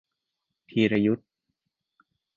ธีรยุทธ